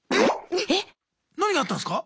えっ⁉何があったんすか？